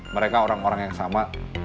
mereka orang orang yang sama